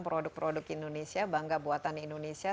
produk produk indonesia bangga buatan indonesia